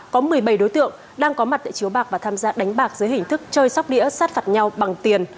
có một mươi bảy đối tượng đang có mặt để chiếu bạc và tham gia đánh bạc dưới hình thức chơi sóc đĩa sát phạt nhau bằng tiền